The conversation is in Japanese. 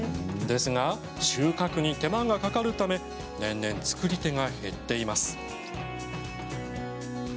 ですが収穫に手間がかかるため年々、作り手が減っています。